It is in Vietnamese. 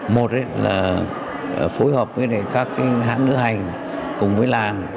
một là phối hợp với các hãng nữ hành cùng với làng